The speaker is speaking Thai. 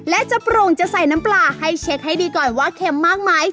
และจะปรุงจะใส่น้ำปลาให้เช็คให้ดีก่อนว่าเค็มมากไหม